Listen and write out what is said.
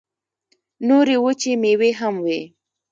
نورې وچې مېوې هم وې.